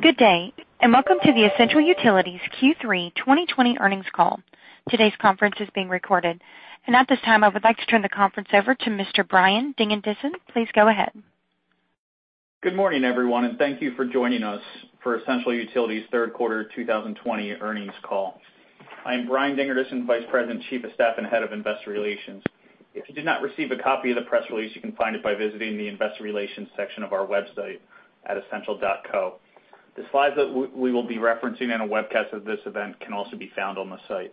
Good day, welcome to the Essential Utilities Q3 2020 Earnings Call. Today's conference is being recorded. At this time, I would like to turn the conference over to Mr. Brian Dingerdissen. Please go ahead. Good morning, everyone, and thank you for joining us for Essential Utilities' Q3 2020 Earnings Call. I am Brian Dingerdissen, Vice President, Chief of Staff, and Head of Investor Relations. If you did not receive a copy of the press release, you can find it by visiting the investor relations section of our website at essential.co. The slides that we will be referencing in a webcast of this event can also be found on the site.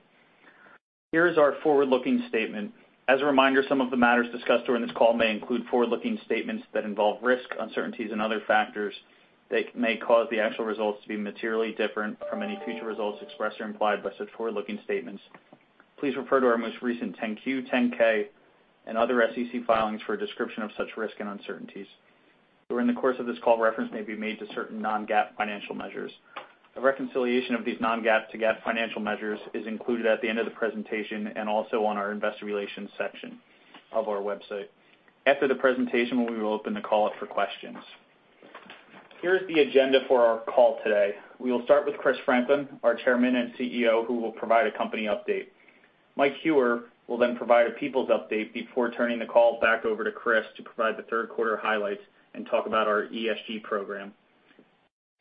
Here is our forward-looking statement. As a reminder, some of the matters discussed during this call may include forward-looking statements that involve risk, uncertainties, and other factors that may cause the actual results to be materially different from any future results expressed or implied by such forward-looking statements. Please refer to our most recent 10-Q, 10-K, and other SEC filings for a description of such risk and uncertainties. During the course of this call, reference may be made to certain non-GAAP financial measures. A reconciliation of these non-GAAP to GAAP financial measures is included at the end of the presentation and also on our investor relations section of our website. After the presentation, we will open the call up for questions. Here is the agenda for our call today. We will start with Chris Franklin, our Chairman and CEO, who will provide a company update. Mike Huwar will then provide a Peoples update before turning the call back over to Chris to provide the third quarter highlights and talk about our ESG program.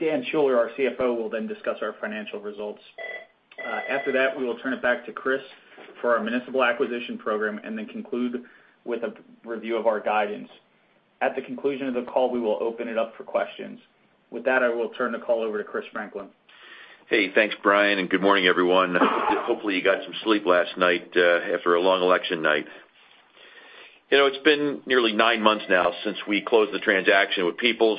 Dan Schuller, our CFO, will then discuss our financial results. After that, we will turn it back to Chris for our municipal acquisition program and then conclude with a review of our guidance. At the conclusion of the call, we will open it up for questions. With that, I will turn the call over to Chris Franklin. Hey. Thanks, Brian, and good morning, everyone. Hopefully, you got some sleep last night after a long election night. It's been nearly nine months now since we closed the transaction with Peoples,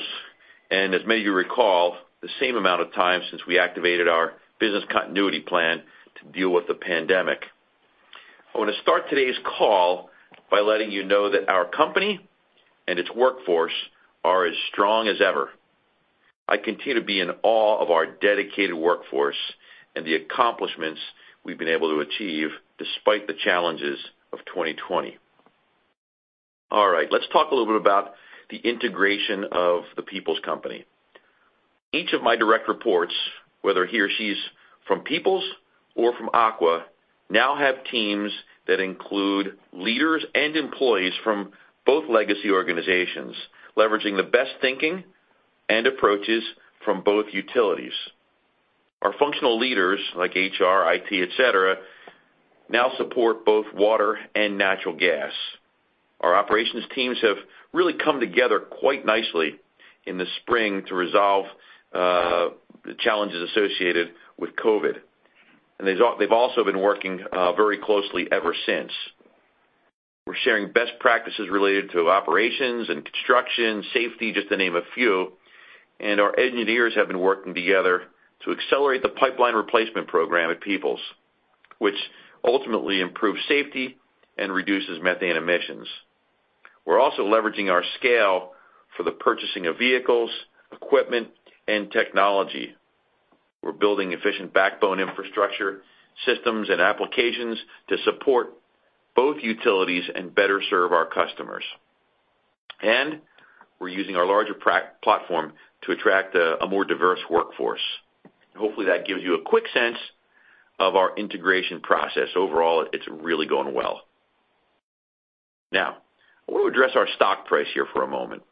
and as many of you recall, the same amount of time since we activated our business continuity plan to deal with the pandemic. I want to start today's call by letting you know that our company and its workforce are as strong as ever. I continue to be in awe of our dedicated workforce and the accomplishments we've been able to achieve despite the challenges of 2020. All right. Let's talk a little bit about the integration of the Peoples company. Each of my direct reports, whether he or she's from Peoples or from Aqua, now have teams that include leaders and employees from both legacy organizations, leveraging the best thinking and approaches from both utilities. Our functional leaders, like HR, IT, et cetera, now support both water and natural gas. Our operations teams have really come together quite nicely in the spring to resolve the challenges associated with COVID-19, and they've also been working very closely ever since. We're sharing best practices related to operations and construction, safety, just to name a few, and our engineers have been working together to accelerate the pipeline replacement program at Peoples, which ultimately improves safety and reduces methane emissions. We're also leveraging our scale for the purchasing of vehicles, equipment, and technology. We're building efficient backbone infrastructure systems and applications to support both utilities and better serve our customers. We're using our larger platform to attract a more diverse workforce. Hopefully, that gives you a quick sense of our integration process. Overall, it's really going well. I want to address our stock price here for a moment.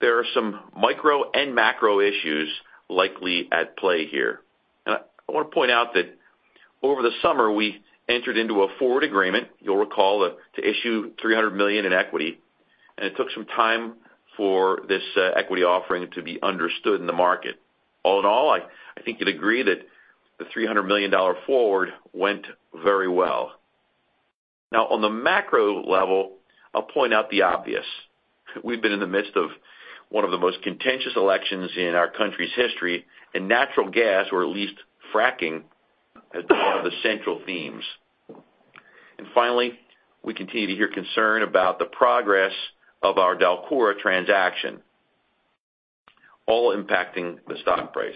There are some micro and macro issues likely at play here. I want to point out that over the summer, we entered into a forward agreement, you'll recall, to issue $300 million in equity, and it took some time for this equity offering to be understood in the market. All in all, I think you'd agree that the $300 million forward went very well. On the macro level, I'll point out the obvious. We've been in the midst of one of the most contentious elections in our country's history. Natural gas, or at least fracking, has been one of the central themes. Finally, we continue to hear concern about the progress of our DELCORA transaction, all impacting the stock price.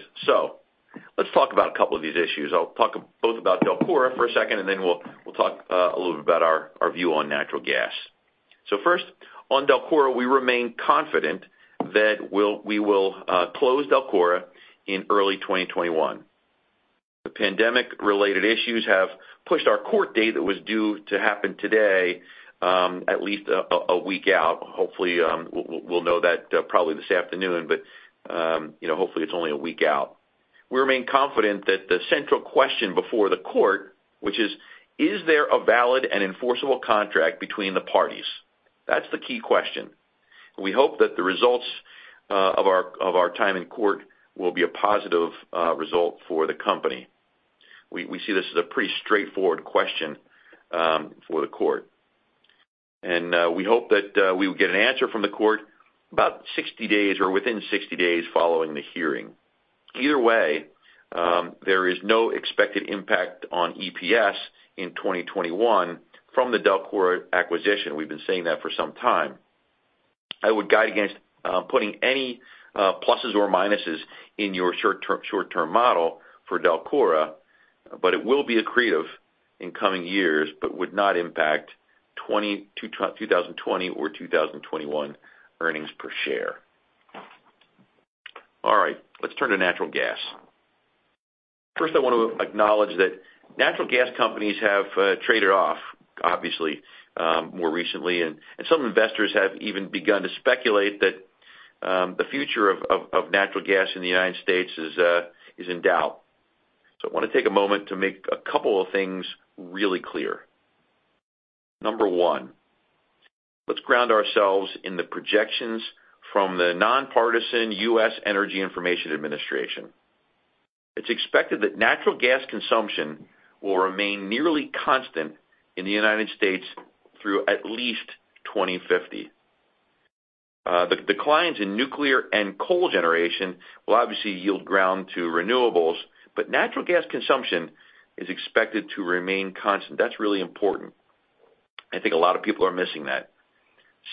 Let's talk about a couple of these issues. I'll talk both about DELCORA for a second, then we'll talk a little bit about our view on natural gas. First, on DELCORA, we remain confident that we will close DELCORA in early 2021. The pandemic-related issues have pushed our court date that was due to happen today at least one week out. Hopefully, we'll know that probably this afternoon, hopefully, it's only one week out. We remain confident that the central question before the court, which is: Is there a valid and enforceable contract between the parties? That's the key question. We hope that the results of our time in court will be a positive result for the company. We see this as a pretty straightforward question for the court, we hope that we will get an answer from the court about 60 days or within 60 days following the hearing. Either way, there is no expected impact on EPS in 2021 from the DELCORA acquisition. We've been saying that for some time. I would guide against putting any pluses or minuses in your short-term model for DELCORA, but it will be accretive in coming years but would not impact 2020 or 2021 earnings per share. All right, let's turn to natural gas. First, I want to acknowledge that natural gas companies have traded off, obviously, more recently, and some investors have even begun to speculate that the future of natural gas in the U.S. is in doubt. I want to take a moment to make a couple of things really clear. Number one, let's ground ourselves in the projections from the nonpartisan U.S. Energy Information Administration. It's expected that natural gas consumption will remain nearly constant in the U.S. through at least 2050. The declines in nuclear and coal generation will obviously yield ground to renewables, but natural gas consumption is expected to remain constant. That's really important. I think a lot of people are missing that.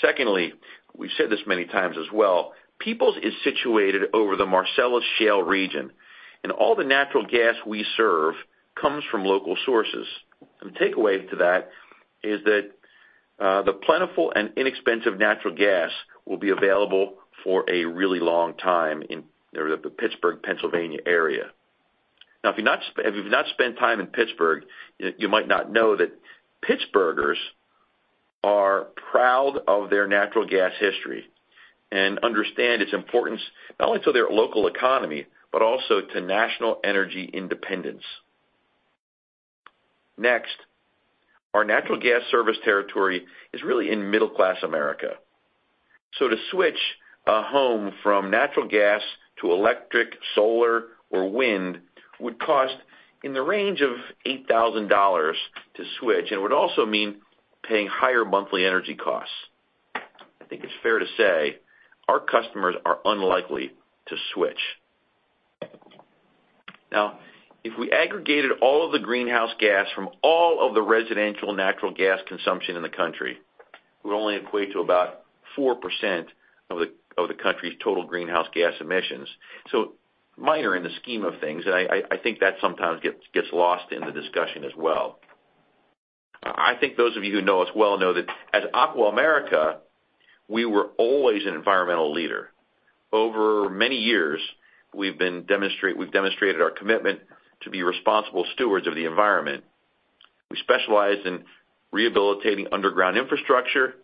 Secondly, we've said this many times as well, Peoples is situated over the Marcellus Shale region, and all the natural gas we serve comes from local sources. The takeaway to that is that the plentiful and inexpensive natural gas will be available for a really long time in the Pittsburgh, Pennsylvania area. If you've not spent time in Pittsburgh, you might not know that Pittsburghers are proud of their natural gas history and understand its importance not only to their local economy, but also to national energy independence. Next, our natural gas service territory is really in middle-class America. To switch a home from natural gas to electric, solar, or wind, would cost in the range of $8,000 to switch and would also mean paying higher monthly energy costs. I think it's fair to say our customers are unlikely to switch. If we aggregated all of the greenhouse gas from all of the residential natural gas consumption in the country, it would only equate to about 4% of the country's total greenhouse gas emissions. Minor in the scheme of things, and I think that sometimes gets lost in the discussion as well. I think those of you who know us well know that at Aqua America, we were always an environmental leader. Over many years, we've demonstrated our commitment to be responsible stewards of the environment. We specialize in rehabilitating underground infrastructure,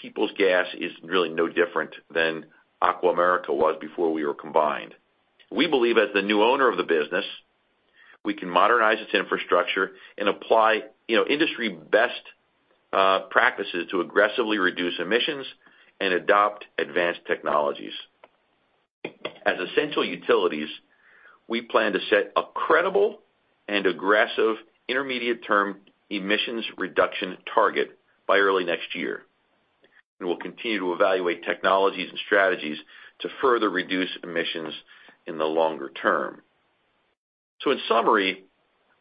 Peoples Gas is really no different than Aqua America was before we were combined. We believe as the new owner of the business, we can modernize its infrastructure and apply industry best practices to aggressively reduce emissions and adopt advanced technologies. As Essential Utilities, we plan to set a credible and aggressive intermediate-term emissions reduction target by early next year. We will continue to evaluate technologies and strategies to further reduce emissions in the longer term. In summary,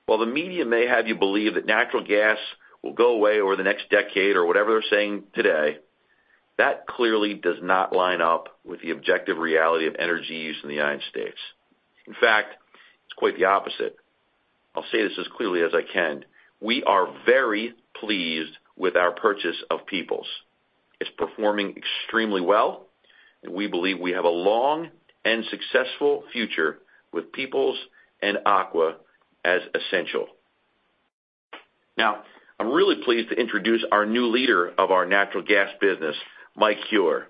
while the media may have you believe that natural gas will go away over the next decade or whatever they're saying today, that clearly does not line up with the objective reality of energy use in the United States. In fact, it's quite the opposite. I'll say this as clearly as I can. We are very pleased with our purchase of Peoples. It's performing extremely well, and we believe we have a long and successful future with Peoples and Aqua as Essential. I'm really pleased to introduce our new leader of our natural gas business, Mike Huwar.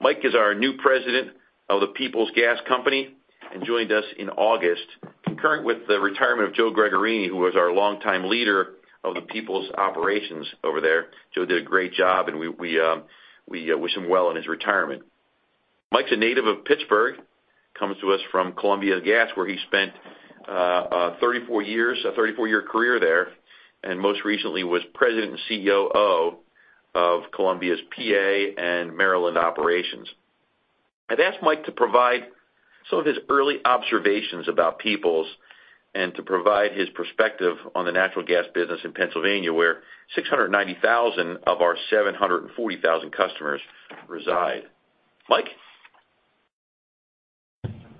Mike is our new President of the Peoples Gas Company and joined us in August, concurrent with the retirement of Joe Gregorini, who was our longtime leader of the Peoples operations over there. Joe did a great job, and we wish him well in his retirement. Mike's a native of Pittsburgh, comes to us from Columbia Gas, where he spent 34 years, a 34-year career there, and most recently was President and COO of Columbia's P.A. and Maryland operations. I'd ask Mike to provide some of his early observations about Peoples and to provide his perspective on the natural gas business in Pennsylvania, where 690,000 of our 740,000 customers reside. Mike?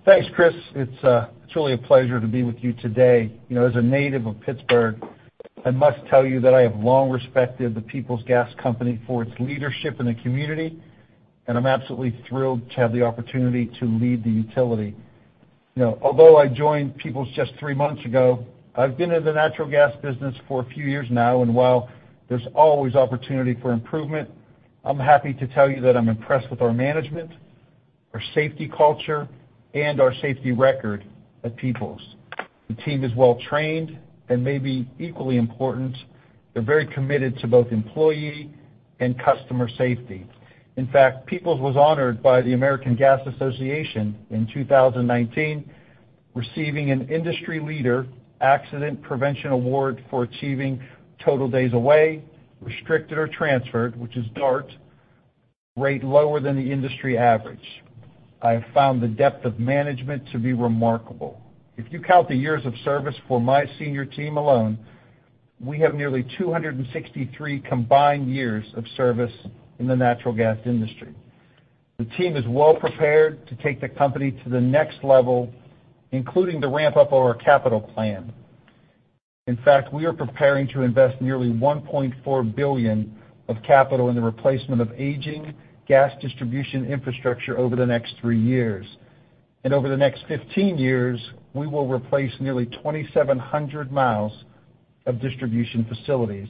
Thanks, Chris. It's really a pleasure to be with you today. As a native of Pittsburgh, I must tell you that I have long respected the Peoples Gas Company for its leadership in the community, and I'm absolutely thrilled to have the opportunity to lead the utility. Although I joined Peoples just three months ago, I've been in the natural gas business for a few years now, and while there's always opportunity for improvement, I'm happy to tell you that I'm impressed with our management, our safety culture, and our safety record at Peoples. The team is well trained, and maybe equally important, they're very committed to both employee and customer safety. In fact, Peoples was honored by the American Gas Association in 2019, receiving an industry leader Accident Prevention Award for achieving total days away, restricted or transferred, which is DART rate lower than the industry average. I have found the depth of management to be remarkable. If you count the years of service for my senior team alone, we have nearly 263 combined years of service in the natural gas industry. The team is well-prepared to take the company to the next level, including the ramp-up of our capital plan. In fact, we are preparing to invest nearly $1.4 billion of capital in the replacement of aging gas distribution infrastructure over the next three years. Over the next 15 years, we will replace nearly 2,700 miles of distribution facilities.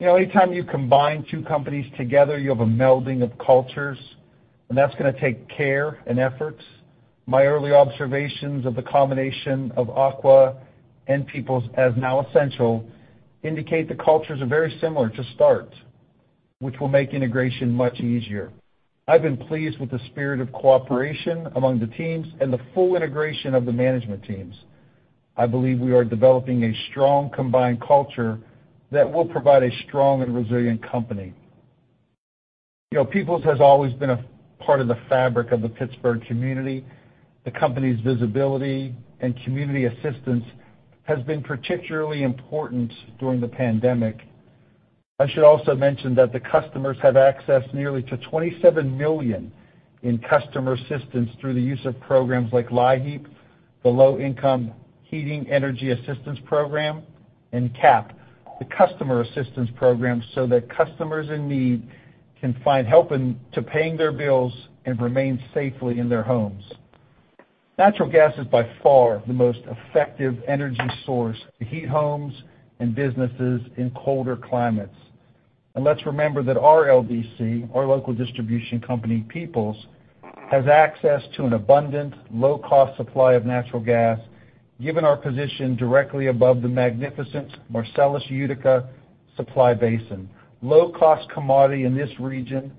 Anytime you combine two companies together, you have a melding of cultures, and that's going to take care and effort. My early observations of the combination of Aqua and Peoples, as now Essential, indicate the cultures are very similar to start, which will make integration much easier. I've been pleased with the spirit of cooperation among the teams and the full integration of the management teams. I believe we are developing a strong combined culture that will provide a strong and resilient company. Peoples has always been a part of the fabric of the Pittsburgh community. The company's visibility and community assistance has been particularly important during the pandemic. I should also mention that the customers have access nearly to $27 million in customer assistance through the use of programs like LIHEAP, the Low Income Home Energy Assistance Program, and CAP, the Customer Assistance Program, so that customers in need can find help to paying their bills and remain safely in their homes. Natural gas is by far the most effective energy source to heat homes and businesses in colder climates. Let's remember that our LDC, our local distribution company, Peoples, has access to an abundant, low-cost supply of natural gas, given our position directly above the magnificent Marcellus Utica supply basin. Low-cost commodity in this region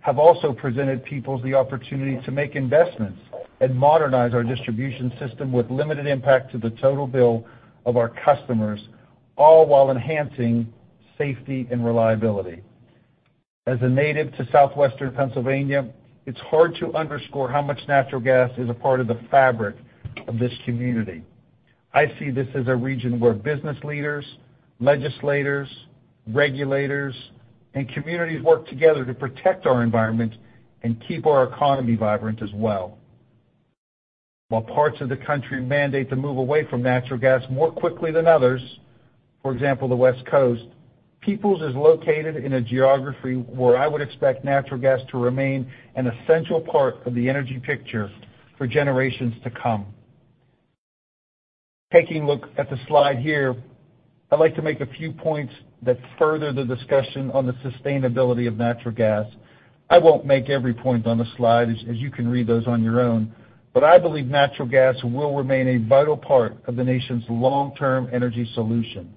have also presented Peoples the opportunity to make investments and modernize our distribution system with limited impact to the total bill of our customers, all while enhancing safety and reliability. As a native to Southwestern Pennsylvania, it's hard to underscore how much natural gas is a part of the fabric of this community. I see this as a region where business leaders, legislators, regulators, and communities work together to protect our environment and keep our economy vibrant as well. While parts of the country mandate to move away from natural gas more quickly than others, for example, the West Coast, Peoples is located in a geography where I would expect natural gas to remain an essential part of the energy picture for generations to come. Taking a look at the slide here, I'd like to make a few points that further the discussion on the sustainability of natural gas. I won't make every point on the slide, as you can read those on your own, I believe natural gas will remain a vital part of the nation's long-term energy solution,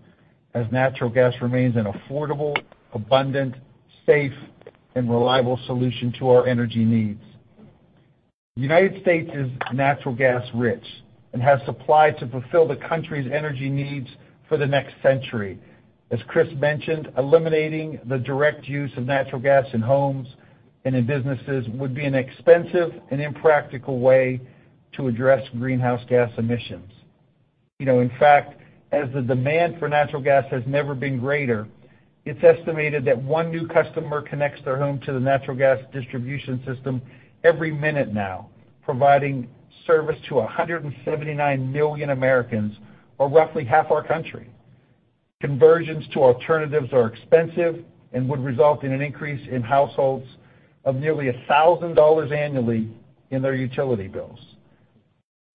as natural gas remains an affordable, abundant, safe, and reliable solution to our energy needs. United States is natural gas-rich and has supply to fulfill the country's energy needs for the next century. As Chris mentioned, eliminating the direct use of natural gas in homes and in businesses would be an expensive and impractical way to address greenhouse gas emissions. In fact, as the demand for natural gas has never been greater, it is estimated that one new customer connects their home to the natural gas distribution system every minute now, providing service to 179 million Americans or roughly half our country. Conversions to alternatives are expensive and would result in an increase in households of nearly $1,000 annually in their utility bills.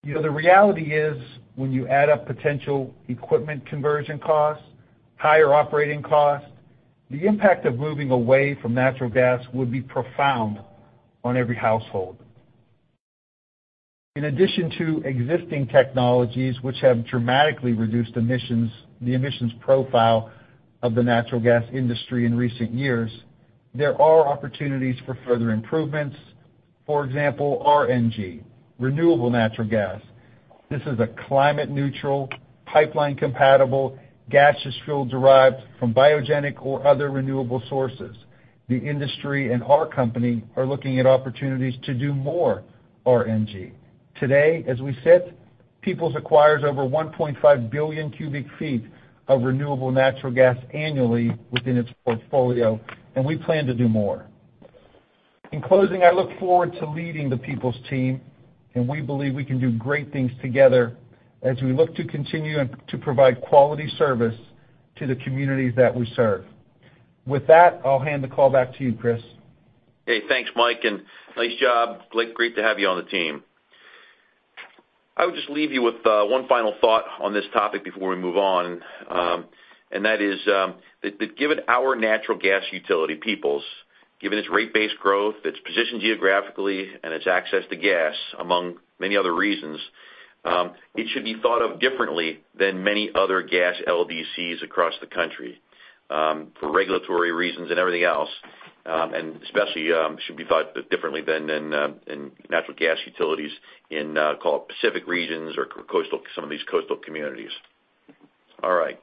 The reality is, when you add up potential equipment conversion costs, higher operating costs, the impact of moving away from natural gas would be profound on every household. In addition to existing technologies, which have dramatically reduced the emissions profile of the natural gas industry in recent years, there are opportunities for further improvements. For example, RNG, renewable natural gas. This is a climate-neutral, pipeline-compatible, gaseous fuel derived from biogenic or other renewable sources. The industry and our company are looking at opportunities to do more RNG. Today, as we sit, Peoples acquires over 1.5 billion cubic feet of renewable natural gas annually within its portfolio, and we plan to do more. In closing, I look forward to leading the Peoples team, and we believe we can do great things together as we look to continue to provide quality service to the communities that we serve. With that, I'll hand the call back to you, Chris. Hey, thanks, Mike, and nice job. Great to have you on the team. I would just leave you with one final thought on this topic before we move on. That is that given our natural gas utility, Peoples, given its rate-based growth, its position geographically, and its access to gas, among many other reasons, it should be thought of differently than many other gas LDCs across the country. For regulatory reasons and everything else, and especially should be thought differently than in natural gas utilities in call it Pacific regions or some of these coastal communities. All right.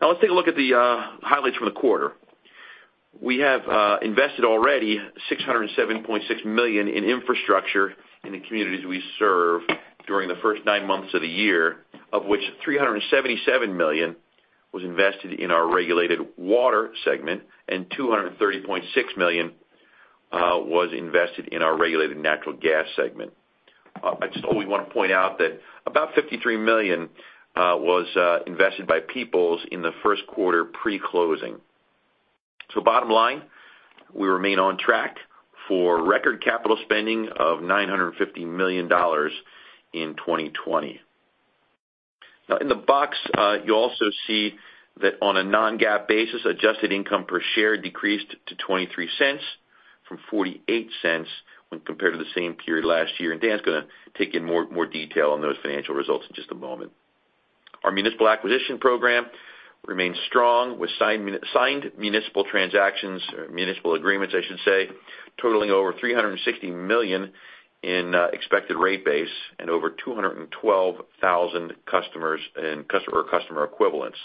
Now let's take a look at the highlights from the quarter. We have invested already $607.6 million in infrastructure in the communities we serve during the first nine months of the year, of which $377 million was invested in our regulated water segment, and $230.6 million was invested in our regulated natural gas segment. I just always want to point out that about $53 million was invested by Peoples in the first quarter pre-closing. Bottom line, we remain on track for record capital spending of $950 million in 2020. Now, in the box, you also see that on a non-GAAP basis, adjusted income per share decreased to $0.23 from $0.48 when compared to the same period last year. Dan's going to take in more detail on those financial results in just a moment. Our municipal acquisition program remains strong with signed municipal transactions, or municipal agreements, I should say, totaling over $360 million in expected rate base and over 212,000 customers and customer equivalents.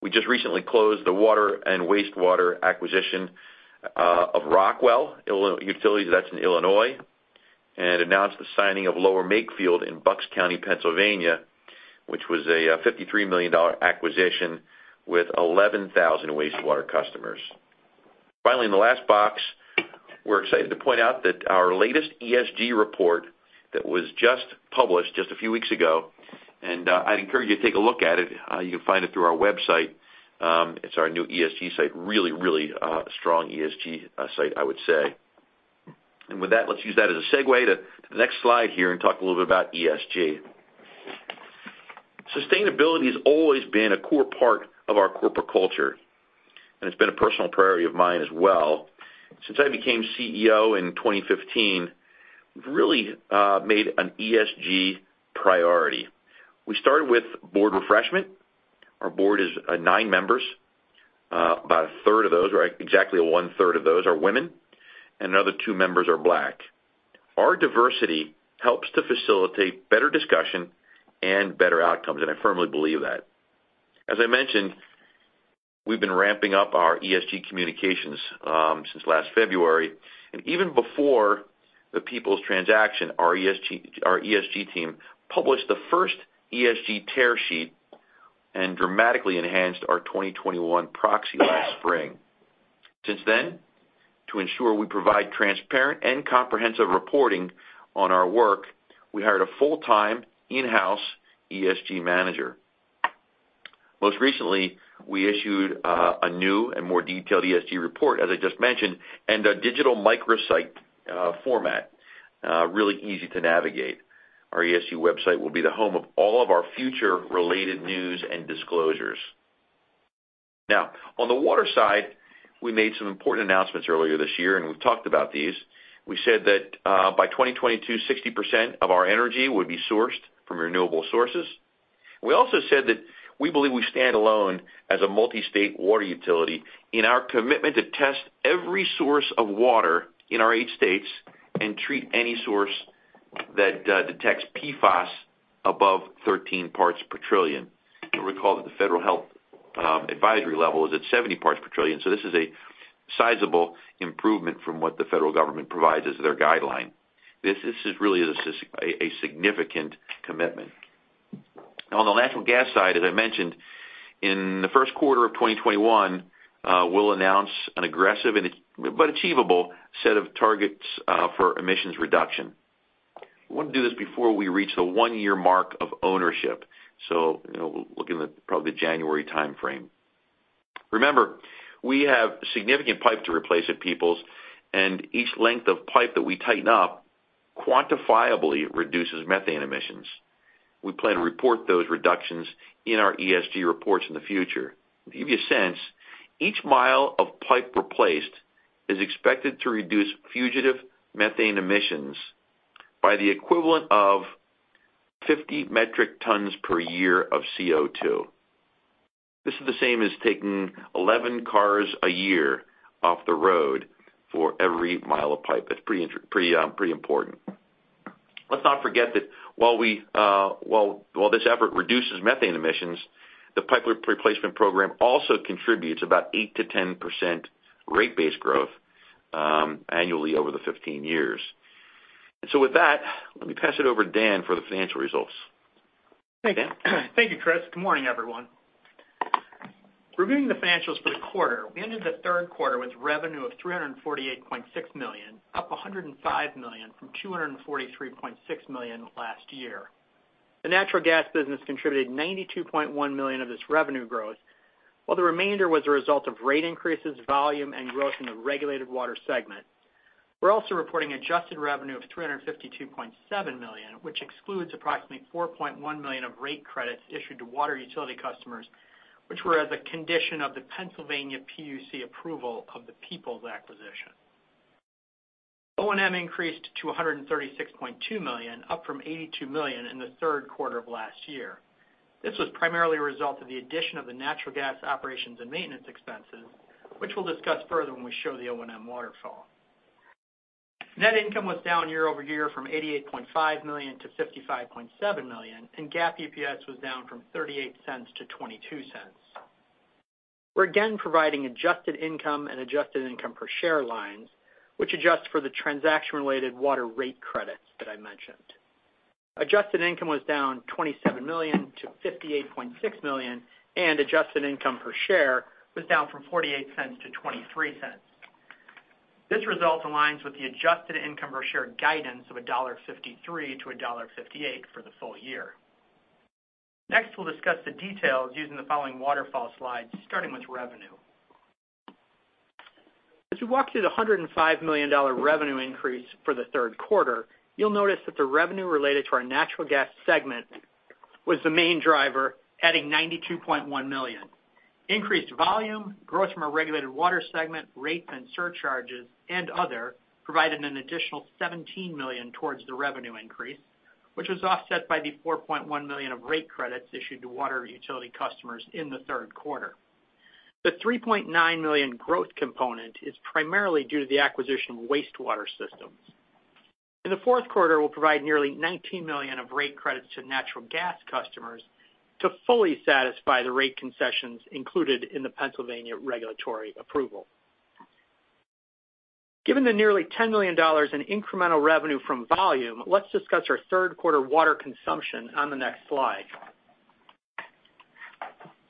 We just recently closed the water and wastewater acquisition of Rockwell Utilities, that's in Illinois, and announced the signing of Lower Makefield in Bucks County, Pennsylvania, which was a $53 million acquisition with 11,000 wastewater customers. Finally, in the last box, we're excited to point out that our latest ESG report that was just published just a few weeks ago. I'd encourage you to take a look at it. You can find it through our website. It's our new ESG site. A really strong ESG site, I would say. With that, let's use that as a segue to the next slide here and talk a little bit about ESG. Sustainability has always been a core part of our corporate culture, and it's been a personal priority of mine as well. Since I became CEO in 2015, we've really made an ESG priority. We started with board refreshment. Our board is nine members. About a third of those, or exactly one-third of those are women, and another two members are Black. Our diversity helps to facilitate better discussion and better outcomes, and I firmly believe that. As I mentioned, we've been ramping up our ESG communications since last February. Even before the Peoples transaction, our ESG team published the first ESG tear sheet and dramatically enhanced our 2021 proxy last spring. Since then, to ensure we provide transparent and comprehensive reporting on our work, we hired a full-time in-house ESG manager. Most recently, we issued a new and more detailed ESG report, as I just mentioned, in a digital microsite format. Really easy to navigate. Our ESG website will be the home of all of our future related news and disclosures. On the water side, we made some important announcements earlier this year, and we've talked about these. We said that by 2022, 60% of our energy would be sourced from renewable sources. We also said that we believe we stand alone as a multi-state water utility in our commitment to test every source of water in our eight states and treat any source that detects PFOS above 13 parts per trillion. You'll recall that the Federal health advisory level is at 70 parts per trillion, so this is a sizable improvement from what the federal government provides as their guideline. This really is a significant commitment. On the natural gas side, as I mentioned, in the Q1 of 2021, we'll announce an aggressive but achievable set of targets for emissions reduction. We want to do this before we reach the one-year mark of ownership, so we're looking at probably the January timeframe. Remember, we have significant pipe to replace at Peoples. Each length of pipe that we tighten up quantifiably reduces methane emissions. We plan to report those reductions in our ESG reports in the future. To give you a sense, each mile of pipe replaced is expected to reduce fugitive methane emissions by the equivalent of 50 metric tons per year of CO2. This is the same as taking 11 cars a year off the road for every mile of pipe. It's pretty important. Let's not forget that while this effort reduces methane emissions, the pipe replacement program also contributes about 8%-10% rate base growth annually over the 15 years. With that, let me pass it over to Dan for the financial results. Dan? Thank you, Chris. Good morning, everyone. Reviewing the financials for the quarter, we ended the third quarter with revenue of $348.6 million, up $105 million from $243.6 million last year. The natural gas business contributed $92.1 million of this revenue growth, while the remainder was a result of rate increases, volume, and growth in the regulated water segment. We're also reporting adjusted revenue of $352.7 million, which excludes approximately $4.1 million of rate credits issued to water utility customers, which were as a condition of the Pennsylvania PUC approval of the Peoples acquisition. O&M increased to $136.2 million, up from $82 million in the third quarter of last year. This was primarily a result of the addition of the natural gas operations and maintenance expenses, which we'll discuss further when we show the O&M waterfall. Net income was down year-over-year from $88.5 million-$55.7 million, and GAAP EPS was down from $0.38-$0.22. We're again providing adjusted income and adjusted income per share lines, which adjust for the transaction-related water rate credits that I mentioned. Adjusted income was down $27 million-$58.6 million, and adjusted income per share was down from $0.48-$0.23. This result aligns with the adjusted income per share guidance of $1.53-$1.58 for the full-year. Next, we'll discuss the details using the following waterfall slides, starting with revenue. As we walk through the $105 million revenue increase for the Q3, you'll notice that the revenue related to our natural gas segment was the main driver, adding $92.1 million. Increased volume, growth from our regulated water segment, rates and surcharges, and other, provided an additional $17 million towards the revenue increase, which was offset by the $4.1 million of rate credits issued to water utility customers in the Q3. The $3.9 million growth component is primarily due to the acquisition of wastewater systems. In the Q4, we'll provide nearly $19 million of rate credits to natural gas customers to fully satisfy the rate concessions included in the Pennsylvania regulatory approval. Given the nearly $10 million in incremental revenue from volume, let's discuss our third quarter water consumption on the next slide.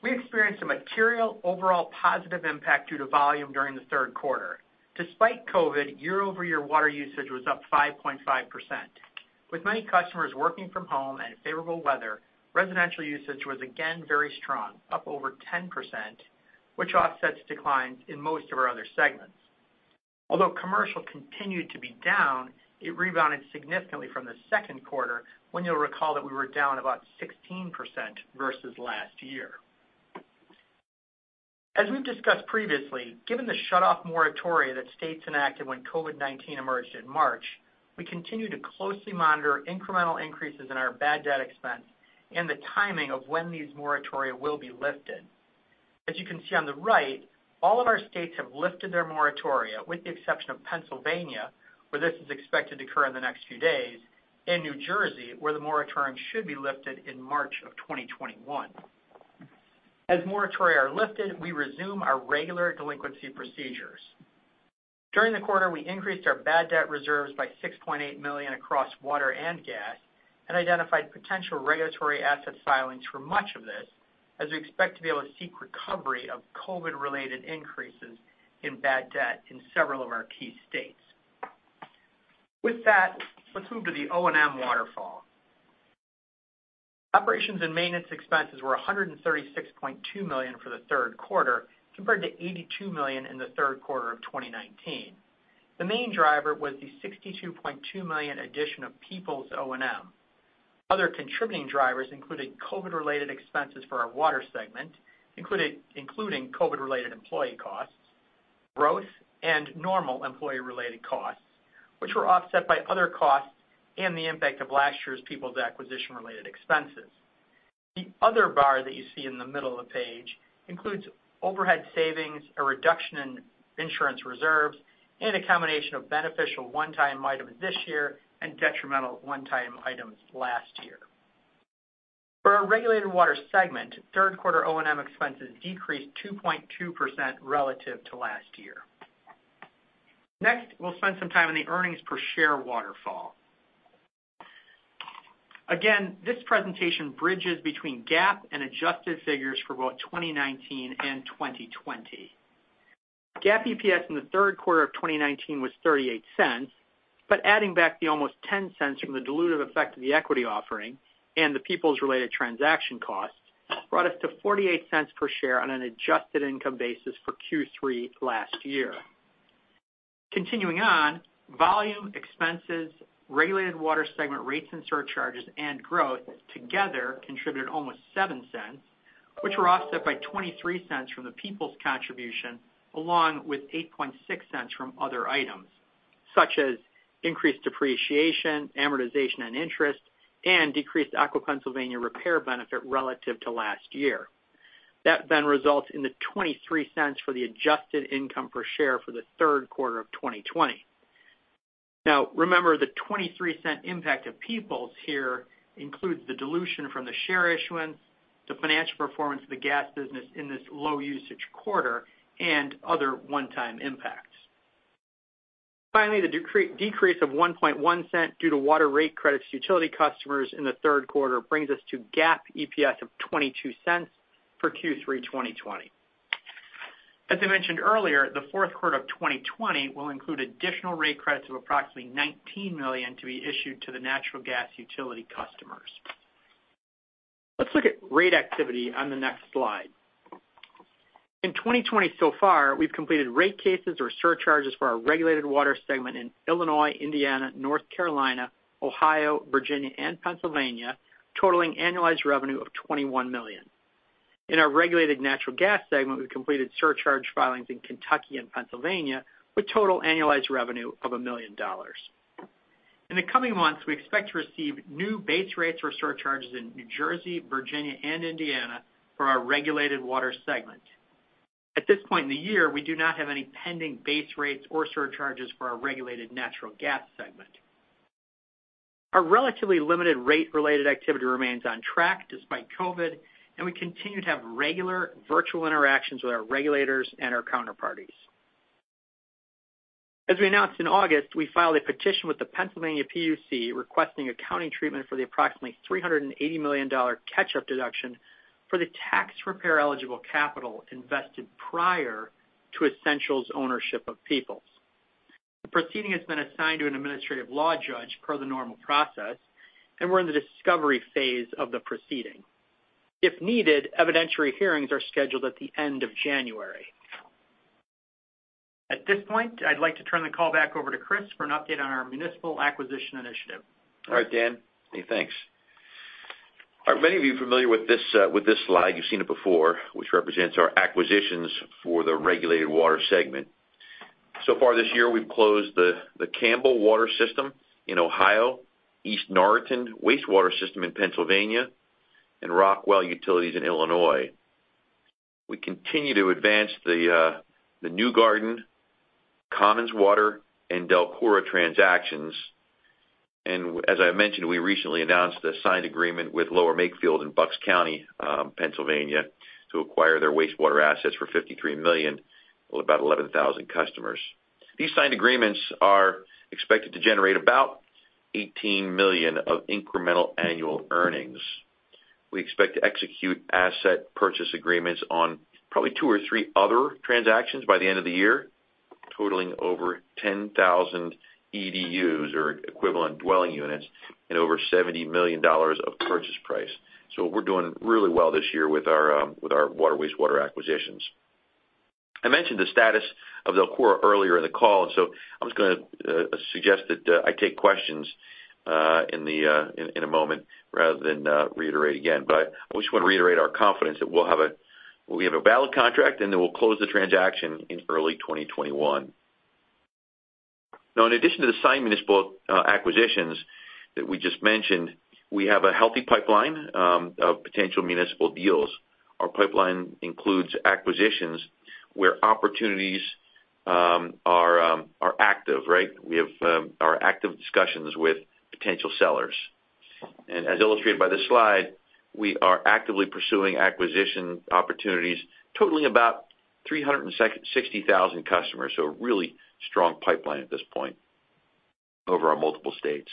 We experienced a material overall positive impact due to volume during the third quarter. Despite COVID-19, year-over-year water usage was up 5.5%. With many customers working from home and favorable weather, residential usage was again very strong, up over 10%, which offsets declines in most of our other segments. Although commercial continued to be down, it rebounded significantly from the second quarter when you'll recall that we were down about 16% versus last year. As we've discussed previously, given the shutoff moratoria that states enacted when COVID-19 emerged in March, we continue to closely monitor incremental increases in our bad debt expense and the timing of when these moratoria will be lifted. As you can see on the right, all of our states have lifted their moratoria, with the exception of Pennsylvania, where this is expected to occur in the next few days, and New Jersey, where the moratorium should be lifted in March of 2021. As moratoria are lifted, we resume our regular delinquency procedures. During the quarter, we increased our bad debt reserves by $6.8 million across water and gas and identified potential regulatory asset filings for much of this, as we expect to be able to seek recovery of COVID-related increases in bad debt in several of our key states. With that, let's move to the O&M waterfall. Operations and maintenance expenses were $136.2 million for the third quarter, compared to $82 million in the Q3 of 2019. The main driver was the $62.2 million addition of Peoples O&M. Other contributing drivers included COVID-related expenses for our water segment, including COVID-related employee costs, growth, and normal employee-related costs, which were offset by other costs and the impact of last year's Peoples acquisition related expenses. The other bar that you see in the middle of the page includes overhead savings, a reduction in insurance reserves, and a combination of beneficial one-time items this year and detrimental one-time items last year. For our regulated water segment, Q3 O&M expenses decreased 2.2% relative to last year. Next, we'll spend some time on the earnings per share waterfall. Again, this presentation bridges between GAAP and adjusted figures for both 2019 and 2020. GAAP EPS in the Q3 of 2019 was $0.38, but adding back the almost $0.10 from the dilutive effect of the equity offering and the Peoples-related transaction costs brought us to $0.48 per share on an adjusted income basis for Q3 last year. Continuing on, volume, expenses, regulated water segment rates and surcharges, and growth together contributed almost $0.07, which were offset by $0.23 from the Peoples contribution, along with $0.086 from other items, such as increased depreciation, amortization, and interest, and decreased Aqua Pennsylvania repair benefit relative to last year. That results in the $0.23 for the adjusted income per share for the Q3 of 2020. Remember, the $0.23 impact of Peoples here includes the dilution from the share issuance, the financial performance of the gas business in this low usage quarter, and other one-time impacts. Finally, the decrease of $0.011 due to water rate credits to utility customers in the Q3 brings us to GAAP EPS of $0.22 for Q3 2020. As I mentioned earlier, the Q4 of 2020 will include additional rate credits of approximately $19 million to be issued to the natural gas utility customers. Let's look at rate activity on the next slide. In 2020 so far, we've completed rate cases or surcharges for our regulated water segment in Illinois, Indiana, North Carolina, Ohio, Virginia, and Pennsylvania, totaling annualized revenue of $21 million. In our regulated natural gas segment, we completed surcharge filings in Kentucky and Pennsylvania, with total annualized revenue of $1 million. In the coming months, we expect to receive new base rates or surcharges in New Jersey, Virginia, and Indiana for our regulated water segment. At this point in the year, we do not have any pending base rates or surcharges for our regulated natural gas segment. Our relatively limited rate-related activity remains on track despite COVID-19, and we continue to have regular virtual interactions with our regulators and our counterparties. As we announced in August, we filed a petition with the Pennsylvania PUC requesting accounting treatment for the approximately $380 million catch-up deduction for the tax repair eligible capital invested prior to Essential Utilities' ownership of Peoples. The proceeding has been assigned to an Administrative Law Judge per the normal process, and we're in the discovery phase of the proceeding. If needed, evidentiary hearings are scheduled at the end of January. At this point, I'd like to turn the call back over to Chris for an update on our municipal acquisition initiative. All right, Dan. Hey, thanks. Are many of you familiar with this slide? You've seen it before, which represents our acquisitions for the regulated water segment. Far this year, we've closed the Campbell Water System in Ohio, East Norriton Wastewater System in Pennsylvania, and Rockwell Utilities in Illinois. We continue to advance the New Garden, Commons Water, and DELCORA transactions. As I mentioned, we recently announced a signed agreement with Lower Makefield in Bucks County, Pennsylvania to acquire their wastewater assets for $53 million, with about 11,000 customers. These signed agreements are expected to generate about $18 million of incremental annual earnings. We expect to execute asset purchase agreements on probably two or three other transactions by the end of the year, totaling over 10,000 EDUs or equivalent dwelling units and over $70 million of purchase price. We are doing really well this year with our water wastewater acquisitions. I mentioned the status of DELCORA earlier in the call, I am just going to suggest that I take questions in a moment rather than reiterate again. I just want to reiterate our confidence that we have a valid contract and that we will close the transaction in early 2021. Now, in addition to the signed municipal acquisitions that we just mentioned, we have a healthy pipeline of potential municipal deals. Our pipeline includes acquisitions where opportunities are active. We have active discussions with potential sellers. As illustrated by this slide, we are actively pursuing acquisition opportunities totaling about 360,000 customers. A really strong pipeline at this point over our multiple states.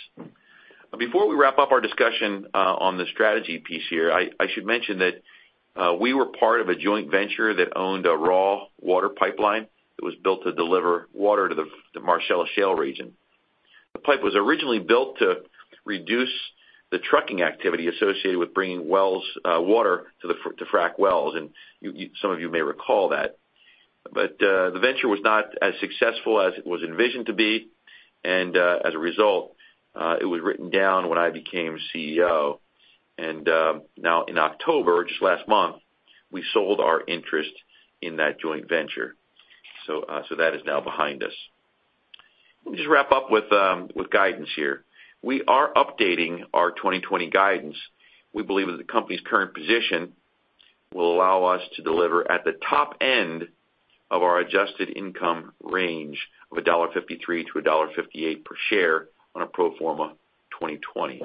Before we wrap up our discussion on the strategy piece here, I should mention that we were part of a joint venture that owned a raw water pipeline that was built to deliver water to the Marcellus Shale region. The pipe was originally built to reduce the trucking activity associated with bringing water to frack wells, and some of you may recall that. The venture was not as successful as it was envisioned to be, and as a result, it was written down when I became CEO. Now in October, just last month, we sold our interest in that joint venture. That is now behind us. Let me just wrap up with guidance here. We are updating our 2020 guidance. We believe that the company's current position will allow us to deliver at the top end of our adjusted income range of $1.53-$1.58 per share on a pro forma 2020.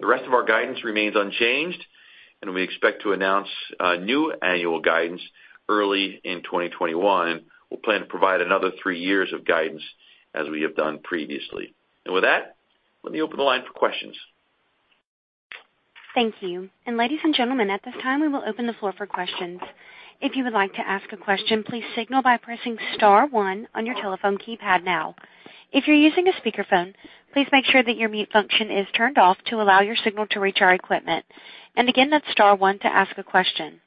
The rest of our guidance remains unchanged, and we expect to announce new annual guidance early in 2021. We plan to provide another three years of guidance as we have done previously. With that, let me open the line for questions. Thank you. Ladies and gentlemen, at this time, we will open the floor for questions. If you would like to ask a question, please signal by pressing star one on your telephone keypad now. If you're using a speakerphone, please make sure that your mute function is turned off to allow your signal to reach our equipment. Again, that's star one to ask a question.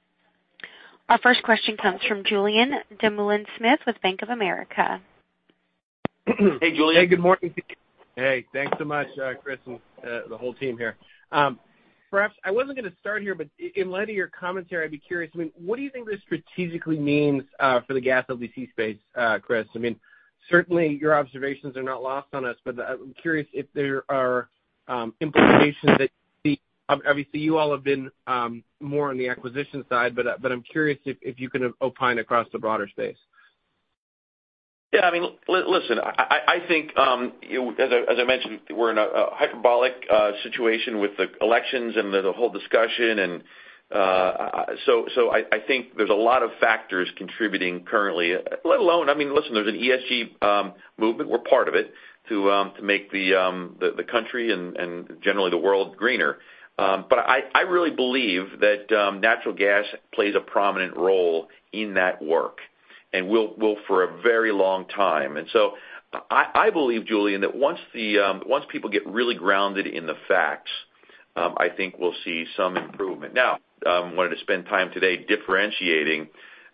Our first question comes from Julien Dumoulin-Smith with Bank of America. Hey, Julien. Hey, good morning. Hey, thanks so much, Chris, and the whole team here. Perhaps, I wasn't going to start here, but in light of your commentary, I'd be curious, what do you think this strategically means for the gas LDC space, Chris? Certainly, your observations are not lost on us, but I'm curious if there are implications that obviously you all have been more on the acquisition side, but I'm curious if you can opine across the broader space. Yeah. Listen, I think as I mentioned, we're in a hyperbolic situation with the elections and the whole discussion. I think there's a lot of factors contributing currently. Let alone, listen, there's an ESG movement. We're part of it to make the country and generally the world greener. I really believe that natural gas plays a prominent role in that work and will for a very long time. I believe, Julien, that once people get really grounded in the facts, I think we'll see some improvement. Now, I wanted to spend time today differentiating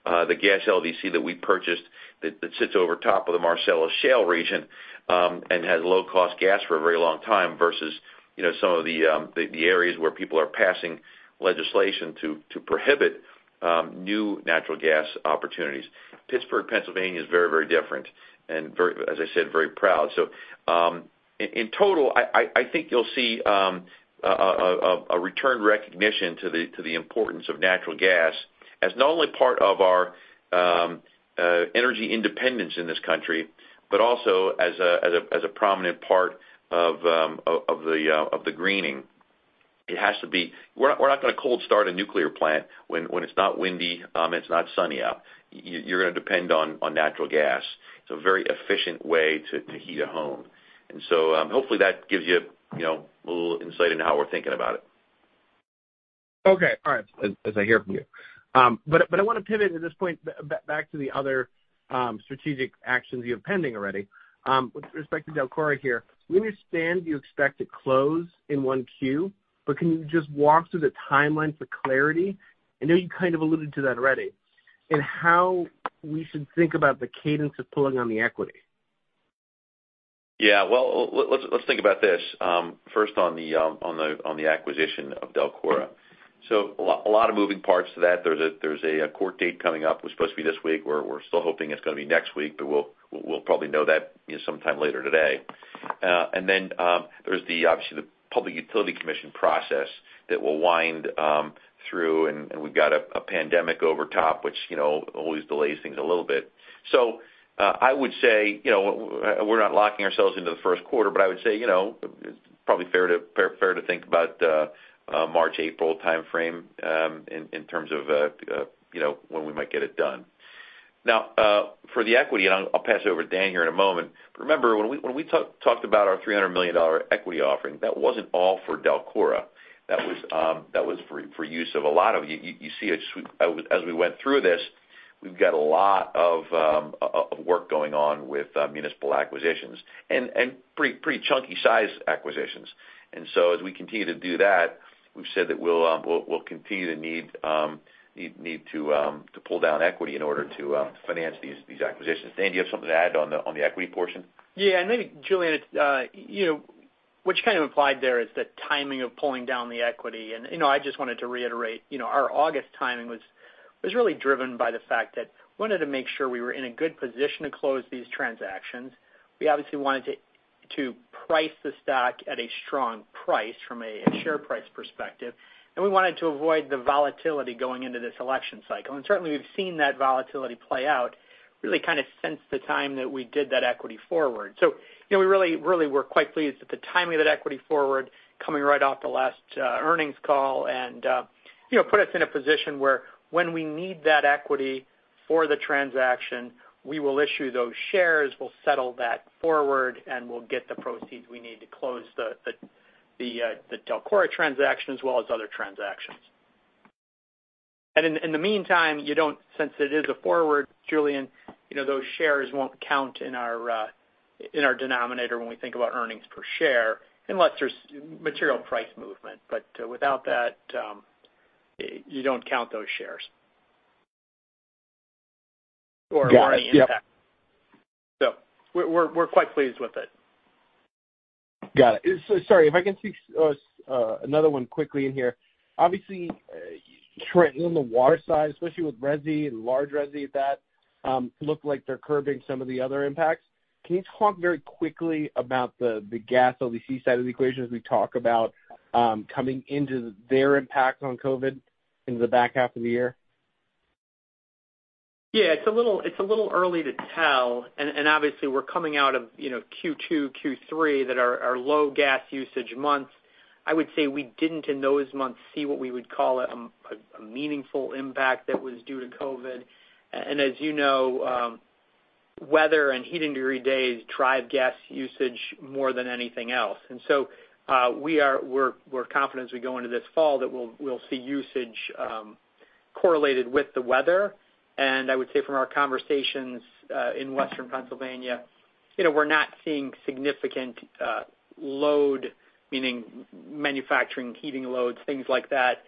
the gas LDC that we purchased that sits over top of the Marcellus Shale region and has low-cost gas for a very long time versus some of the areas where people are passing legislation to prohibit new natural gas opportunities. Pittsburgh, Pennsylvania is very different and, as I said, very proud. In total, I think you'll see a return recognition to the importance of natural gas as not only part of our energy independence in this country, but also as a prominent part of the greening. We're not going to cold start a nuclear plant when it's not windy, and it's not sunny out. You're going to depend on natural gas. It's a very efficient way to heat a home. Hopefully that gives you a little insight into how we're thinking about it. Okay. All right. As I hear from you. I want to pivot at this point back to the other strategic actions you have pending already. With respect to DELCORA here, we understand you expect to close in 1Q, but can you just walk through the timeline for clarity? I know you kind of alluded to that already. How we should think about the cadence of pulling on the equity. Well, let's think about this. First on the acquisition of DELCORA. A lot of moving parts to that. There's a court date coming up. It was supposed to be this week. We're still hoping it's going to be next week, but we'll probably know that sometime later today. There's obviously the Public Utility Commission process that will wind through, and we've got a pandemic over top, which always delays things a little bit. I would say, we're not locking ourselves into the Q1, but I would say, it's probably fair to think about March, April timeframe, in terms of when we might get it done. For the equity, and I'll pass it over to Dan here in a moment, but remember, when we talked about our $300 million equity offering, that wasn't all for DELCORA. That was for use of a lot of EDUs, as we went through this, we've got a lot of work going on with municipal acquisitions, and pretty chunky size acquisitions. As we continue to do that, we've said that we'll continue to need to pull down equity in order to finance these acquisitions. Dan, do you have something to add on the equity portion? Yeah. Maybe, Julien, what you kind of implied there is the timing of pulling down the equity. I just wanted to reiterate, our August timing was really driven by the fact that we wanted to make sure we were in a good position to close these transactions. We obviously wanted to price the stock at a strong price from a share price perspective. We wanted to avoid the volatility going into this election cycle. Certainly, we've seen that volatility play out really kind of since the time that we did that equity forward. We really were quite pleased with the timing of that equity forward coming right off the last earnings call and put us in a position where when we need that equity for the transaction, we will issue those shares, we'll settle that forward, and we'll get the proceeds we need to close the DELCORA transaction as well as other transactions. In the meantime, you don't, since it is a forward, Julien, those shares won't count in our denominator when we think about earnings per share, unless there's material price movement. Without that, you don't count those shares. Got it. Yep. Any impact. We're quite pleased with it. Got it. Sorry, if I can squeeze another one quickly in here. Obviously, Trent, on the water side, especially with resi and large resi, that looked like they're curbing some of the other impacts. Can you talk very quickly about the gas LDC side of the equation as we talk about coming into their impact on COVID-19 into the back half of the year? Yeah, it's a little early to tell, obviously, we're coming out of Q2, Q3 that are low gas usage months. I would say we didn't, in those months, see what we would call a meaningful impact that was due to COVID. As you know, weather and heating degree days drive gas usage more than anything else. So, we're confident as we go into this fall that we'll see usage correlated with the weather. I would say from our conversations in Western Pennsylvania, we're not seeing significant load, meaning manufacturing, heating loads, things like that,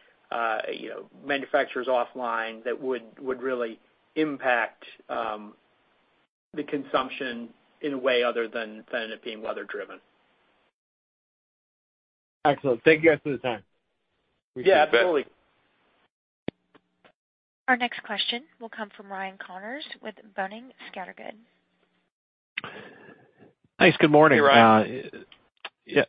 manufacturers offline that would really impact the consumption in a way other than it being weather driven. Excellent. Thank you guys for the time. Yeah, absolutely. Our next question will come from Ryan Connors with Boenning & Scattergood. Thanks. Good morning. Hey, Ryan. Yeah.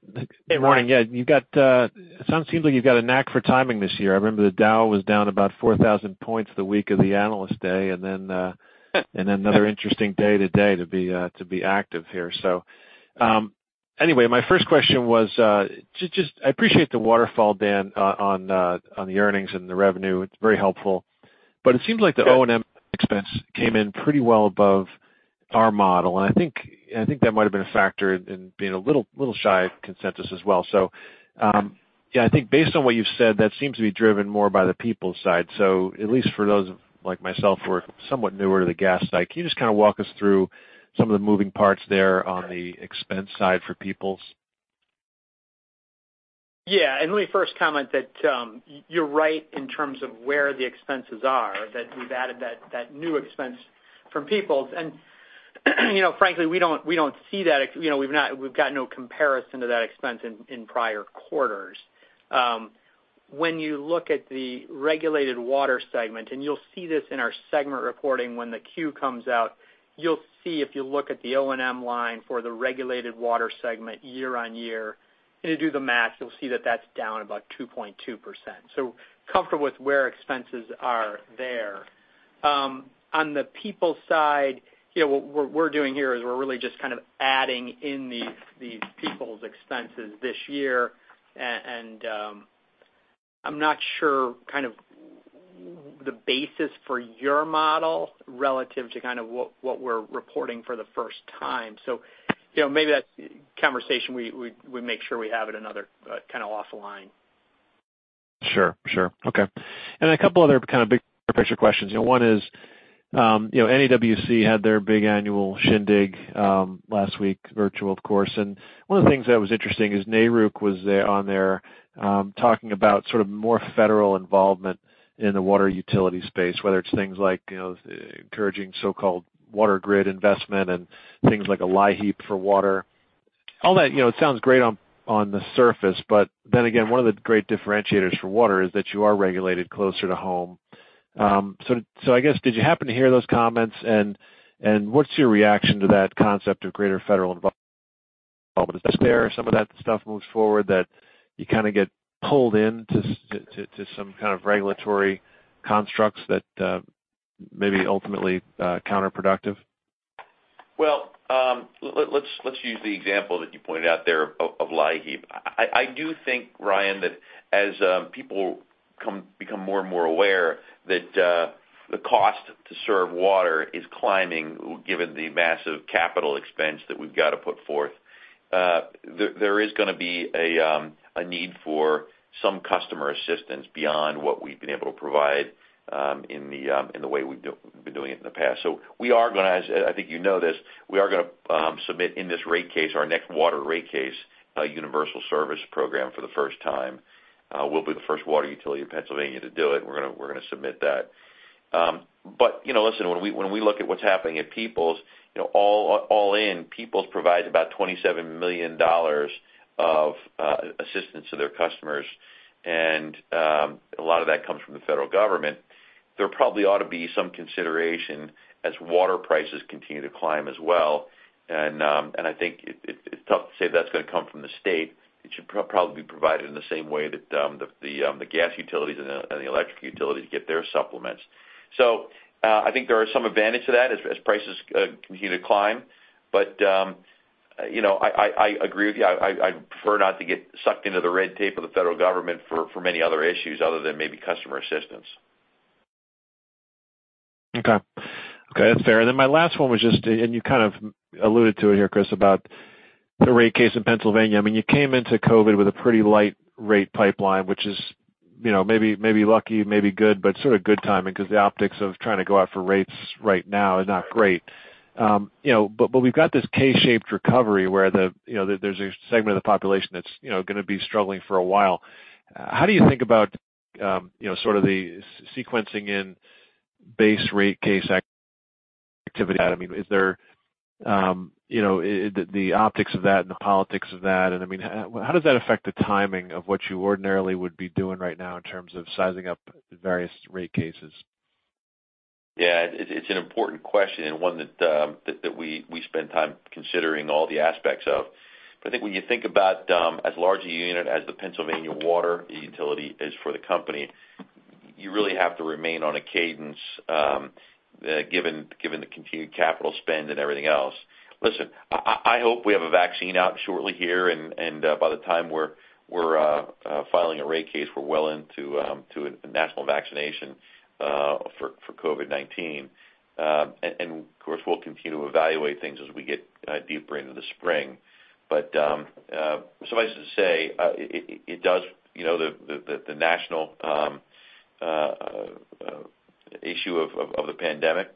Hey, Ryan. Yeah. It seems like you've got a knack for timing this year. I remember the Dow was down about 4,000 points the week of the Analyst Day. Another interesting day today to be active here. Anyway, my first question was, I appreciate the waterfall, Dan, on the earnings and the revenue. It's very helpful. It seems like the O&M expense came in pretty well above our model, and I think that might have been a factor in being a little shy of consensus as well. Yeah, I think based on what you've said, that seems to be driven more by the Peoples side. At least for those like myself, who are somewhat newer to the gas side, can you just kind of walk us through some of the moving parts there on the expense side for Peoples? Yeah. Let me first comment that you're right in terms of where the expenses are, that we've added that new expense from Peoples. Frankly, we've got no comparison to that expense in prior quarters. When you look at the regulated water segment, you'll see this in our segment reporting when the Q comes out, you'll see if you look at the O&M line for the regulated water segment year-over-year, and you do the math, you'll see that that's down about 2.2%. Comfortable with where expenses are there. On the Peoples' side, what we're doing here is we're really just kind of adding in these Peoples expenses this year. I'm not sure the basis for your model relative to what we're reporting for the first time. Maybe that's a conversation we make sure we have at another kind of offline. Sure. Okay. A couple other kind of big picture questions. One is, NAWC had their big annual shindig last week, virtual of course. One of the things that was interesting is NARUC was on there talking about sort of more federal involvement in the water utility space, whether it's things like encouraging so-called water grid investment and things like a LIHEAP for water. All that sounds great on the surface. Then again, one of the great differentiators for water is that you are regulated closer to home. I guess, did you happen to hear those comments? What's your reaction to that concept of greater federal involvement? Is there some of that stuff moves forward that you kind of get pulled in to some kind of regulatory constructs that may be ultimately counterproductive? Well, let's use the example that you pointed out there of LIHEAP. I do think, Ryan, that as people become more and more aware that the cost to serve water is climbing, given the massive capital expense that we've got to put forth, there is going to be a need for some customer assistance beyond what we've been able to provide in the way we've been doing it in the past. We are going to, as I think you know this, we are going to submit in this rate case, our next water rate case, a Universal Service Program for the first time. We'll be the first water utility in Pennsylvania to do it. We're going to submit that. Listen, when we look at what's happening at Peoples, all in, Peoples provides about $27 million of assistance to their customers. A lot of that comes from the federal government. There probably ought to be some consideration as water prices continue to climb as well. I think it's tough to say that's going to come from the state. It should probably be provided in the same way that the gas utilities and the electric utilities get their supplements. I think there are some advantage to that as prices continue to climb. I agree with you. I'd prefer not to get sucked into the red tape of the federal government for many other issues other than maybe customer assistance. Okay. That's fair. My last one was just, and you kind of alluded to it here, Chris, about the rate case in Pennsylvania. I mean, you came into COVID-19 with a pretty light rate pipeline, which is maybe lucky, maybe good, but sort of good timing because the optics of trying to go out for rates right now is not great. We've got this K-shaped recovery where there's a segment of the population that's going to be struggling for a while. How do you think about sort of the sequencing in base rate case activity? Is there the optics of that and the politics of that? How does that affect the timing of what you ordinarily would be doing right now in terms of sizing up various rate cases? Yeah. It's an important question and one that we spend time considering all the aspects of. I think when you think about as large a unit as the Pennsylvania Water utility is for the company, you really have to remain on a cadence given the continued capital spend and everything else. Listen, I hope we have a vaccine out shortly here, and by the time we're filing a rate case, we're well into a national vaccination for COVID-19. Of course, we'll continue to evaluate things as we get deeper into the spring. Suffice it to say, the national issue of the pandemic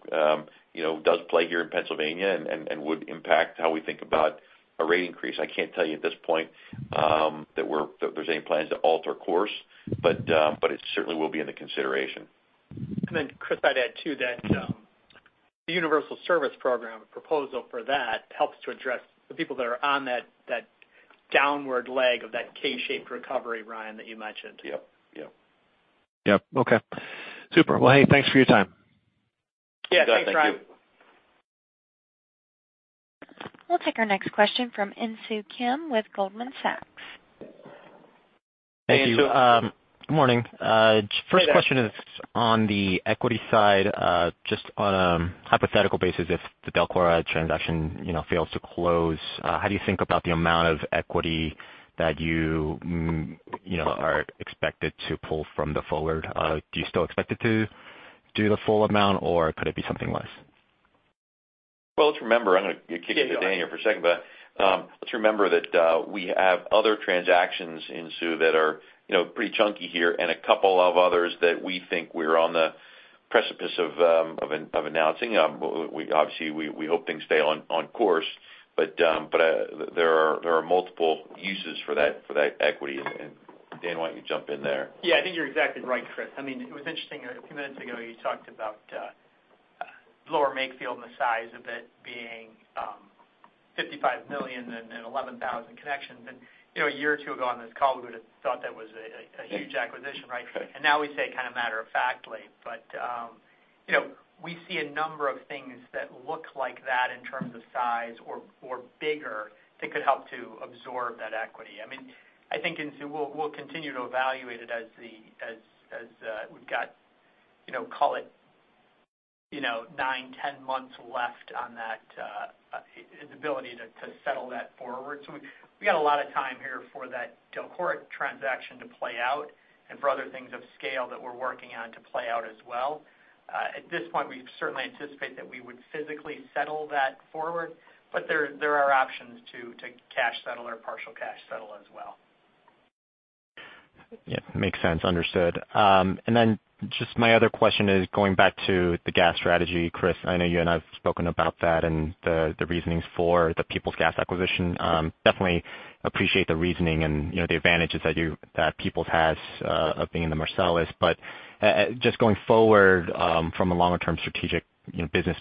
does play here in Pennsylvania and would impact how we think about a rate increase. I can't tell you at this point that there's any plans to alter course, but it certainly will be in the consideration. Chris, I'd add too, that the universal service program proposal for that helps to address the people that are on that downward leg of that K-shaped recovery, Ryan, that you mentioned. Yep. Okay. Super. Well, hey, thanks for your time. Yeah. Thanks, Ryan. Yeah. Thank you. We'll take our next question from Insoo Kim with Goldman Sachs. Hey, Insoo. Good morning. First question is on the equity side. Just on a hypothetical basis, if the DELCORA transaction fails to close, how do you think about the amount of equity that you are expected to pull from the forward? Do you still expect it to do the full amount, or could it be something less? Well, let's remember, I'm going to kick it to Dan here for a second. Let's remember that we have other transactions, Insoo, that are pretty chunky here and a couple of others that we think we're on the precipice of announcing. Obviously, we hope things stay on course, but there are multiple uses for that equity. Dan, why don't you jump in there? Yeah, I think you're exactly right, Chris. It was interesting a few minutes ago, you talked about Lower Makefield and the size of it being $55 million and 11,000 connections. A year or two ago on this call, we would've thought that was a huge acquisition. Right? Sure. Now we say it kind of matter of factly. We see a number of things that look like that in terms of size or bigger that could help to absorb that equity. I think, Insoo, we'll continue to evaluate it as we've got call it nine, 10 months left on that, this ability to settle that forward. We got a lot of time here for that DELCORA transaction to play out and for other things of scale that we're working on to play out as well. At this point, we certainly anticipate that we would physically settle that forward, but there are options to cash settle or partial cash settle as well. Yeah, makes sense. Understood. Just my other question is going back to the gas strategy, Chris, I know you and I have spoken about that and the reasonings for the Peoples Gas acquisition. Definitely appreciate the reasoning and the advantages that Peoples has of being in the Marcellus. Going forward, from a longer-term strategic business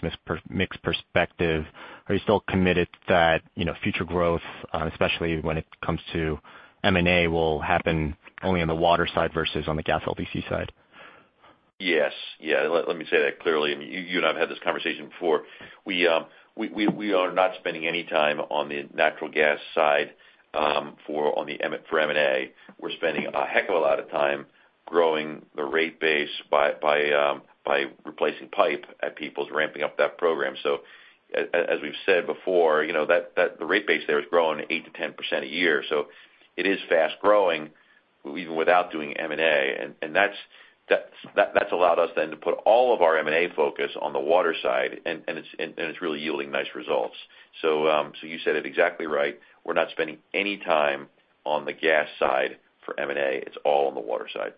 mix perspective, are you still committed that future growth, especially when it comes to M&A, will happen only on the water side versus on the gas LDC side? Yes. Let me say that clearly. You and I have had this conversation before. We are not spending any time on the natural gas side for M&A. We're spending a heck of a lot of time growing the rate base by replacing pipe at Peoples, ramping up that program. As we've said before, the rate base there is growing 8%-10% a year, so it is fast-growing even without doing M&A. That's allowed us then to put all of our M&A focus on the water side, and it's really yielding nice results. You said it exactly right. We're not spending any time on the gas side for M&A. It's all on the water side.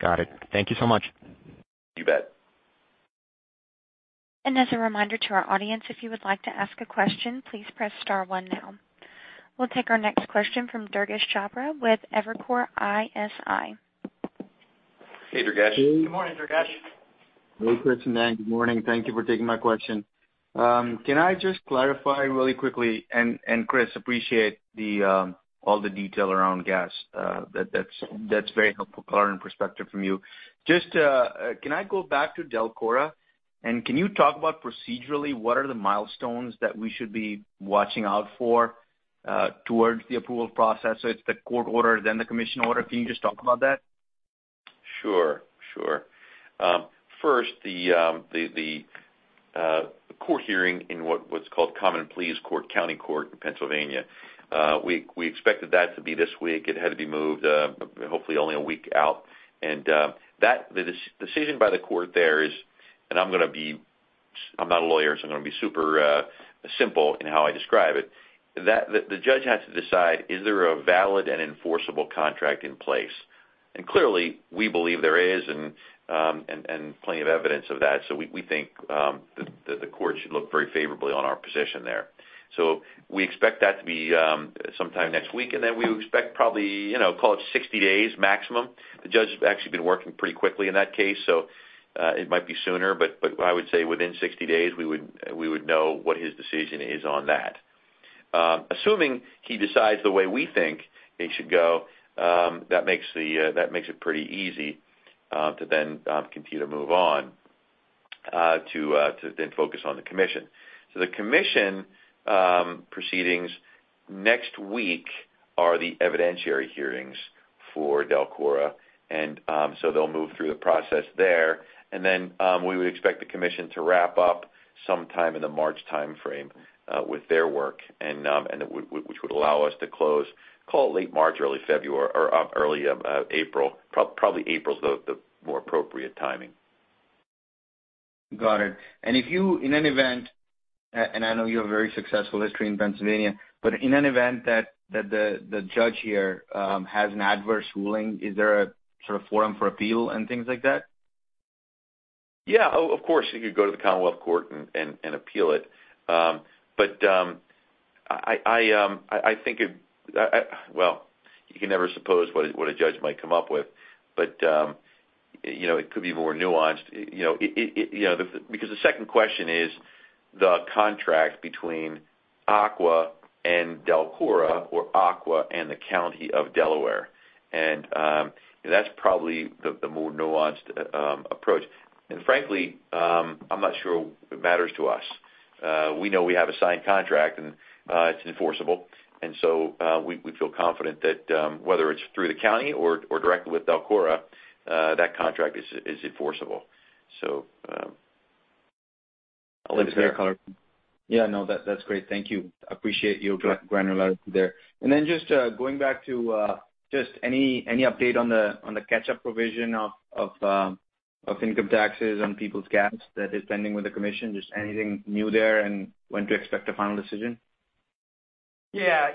Got it. Thank you so much. You bet. As a reminder to our audience, if you would like to ask a question, please press star one now. We'll take our next question from Durgesh Chopra with Evercore ISI. Hey, Durgesh. Good morning, Durgesh. Hey, Chris and Dan. Good morning. Thank you for taking my question. Can I just clarify really quickly, and Chris, appreciate all the detail around gas. That's very helpful color and perspective from you. Just can I go back to DELCORA, and can you talk about procedurally, what are the milestones that we should be watching out for towards the approval process? It's the court order, then the commission order. Can you just talk about that? Sure. First, the court hearing in what's called Court of Common Pleas, county court in Pennsylvania, we expected that to be this week. It had to be moved, hopefully only a week out. The decision by the court there is, and I'm not a lawyer, so I'm going to be super simple in how I describe it. The judge has to decide, is there a valid and enforceable contract in place? Clearly, we believe there is and plenty of evidence of that. We think that the court should look very favorably on our position there. We expect that to be sometime next week, we expect probably, call it 60 days maximum. The judge has actually been working pretty quickly in that case, so it might be sooner, but I would say within 60 days, we would know what his decision is on that. Assuming he decides the way we think it should go, that makes it pretty easy to then continue to move on to then focus on the commission. The commission proceedings next week are the evidentiary hearings for DELCORA, and so they'll move through the process there. We would expect the commission to wrap up sometime in the March timeframe with their work, which would allow us to close, call it late March, early April. Probably April's the more appropriate timing. Got it. If you, in an event, and I know you have a very successful history in Pennsylvania, but in an event that the judge here has an adverse ruling, is there a sort of forum for appeal and things like that? Yeah, of course, you could go to the Commonwealth Court and appeal it. I think, well, you can never suppose what a judge might come up with, but it could be more nuanced. The second question is the contract between Aqua and DELCORA or Aqua and the County of Delaware, and that's probably the more nuanced approach. Frankly, I'm not sure it matters to us. We know we have a signed contract and it's enforceable, so we feel confident that whether it's through the county or directly with DELCORA, that contract is enforceable. I'll leave it there. Yeah, no, that's great. Thank you. Appreciate your granularity there. Going back to any update on the catch-up provision of income taxes on Peoples Gas that is pending with the commission? Anything new there, and when to expect a final decision? Yeah.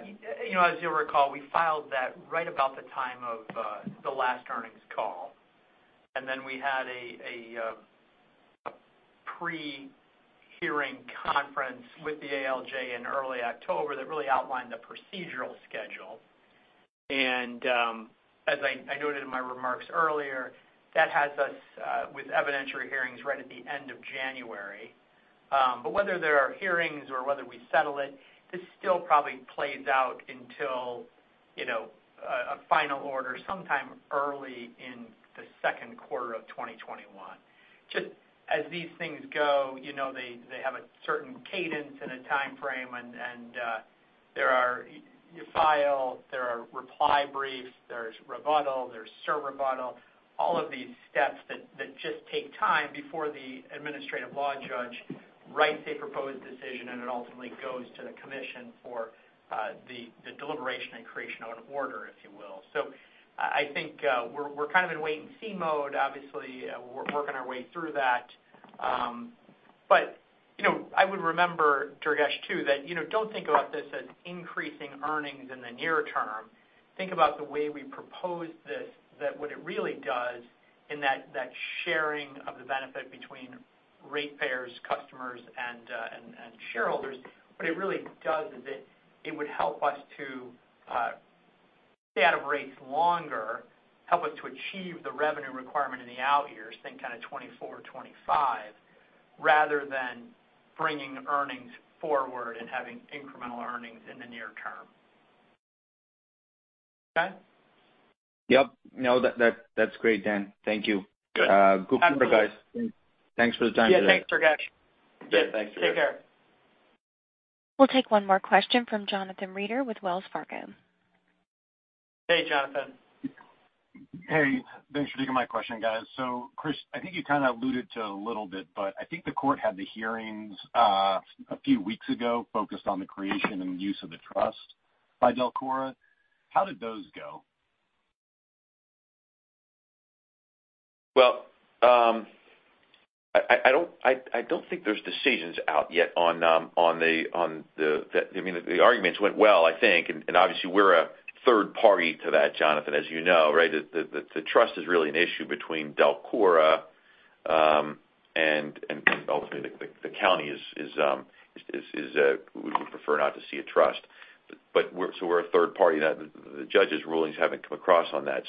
As you'll recall, we filed that right about the time of the last earnings call. Then we had a pre-hearing conference with the ALJ in early October that really outlined the procedural schedule. As I noted in my remarks earlier, that has us with evidentiary hearings right at the end of January. Whether there are hearings or whether we settle it, this still probably plays out until a final order sometime early in the Q2 of 2021. Just as these things go, they have a certain cadence and a timeframe and You file, there are reply briefs, there's rebuttal, there's sur-rebuttal, all of these steps that just take time before the administrative law judge writes a proposed decision, and it ultimately goes to the commission for the deliberation and creation of an order, if you will. I think we're kind of in wait-and-see mode. Obviously, we're working our way through that. I would remember, Durgesh, too, that don't think about this as increasing earnings in the near term. Think about the way we propose this, that what it really does in that sharing of the benefit between ratepayers, customers, and shareholders. What it really does is it would help us to stay out of rates longer, help us to achieve the revenue requirement in the out years, think kind of 2024, 2025, rather than bringing earnings forward and having incremental earnings in the near term. Okay. Yep. No, that's great, Dan. Thank you. Good. Absolutely. Good quarter, guys. Thanks for the time today. Yeah, thanks, Durgesh. Good. Thanks, everyone. Take care. We'll take one more question from Jonathan Reeder with Wells Fargo. Hey, Jonathan. Hey, thanks for taking my question, guys. Chris, I think you kind of alluded to a little bit, but I think the court had the hearings a few weeks ago focused on the creation and use of the trust by DELCORA. How did those go? I don't think there's decisions out yet. The arguments went well, I think, and obviously we're a third party to that, Jonathan, as you know, right? The trust is really an issue between DELCORA and ultimately the county would prefer not to see a trust. We're a third party, the judge's rulings haven't come across on that.